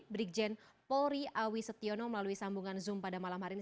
brigjen polri awi setiono melalui sambungan zoom pada malam hari ini